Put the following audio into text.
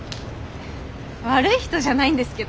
悪い人じゃないんですけどね。